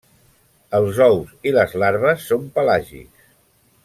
Els ous i les larves són pelàgics.